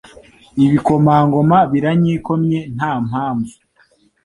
Ibikomangoma biranyikomye nta mpamvu